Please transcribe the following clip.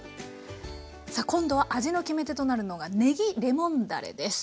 さあ今度は味の決め手となるのがねぎレモンだれです。